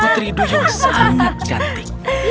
putri duyung sangat cantik